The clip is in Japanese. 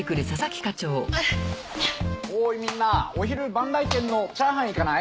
おいみんなお昼万来軒のチャーハン行かない？